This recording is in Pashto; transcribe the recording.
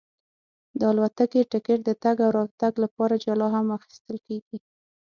د الوتکې ټکټ د تګ او راتګ لپاره جلا هم اخیستل کېږي.